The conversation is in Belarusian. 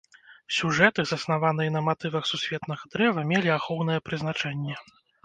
Сюжэты, заснаваныя на матывах сусветнага дрэва, мелі ахоўнае прызначэнне.